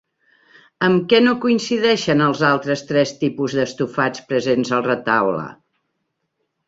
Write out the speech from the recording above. Amb què no coincideixen els altres tres tipus d'estofats presents al retaule?